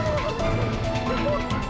jauh jauh jauh